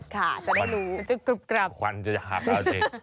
ค่ะจะได้รู้จะกรุบกรับควันจะหาความดี